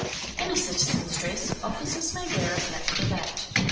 In a citizen's dress, officers may wear a black cravat.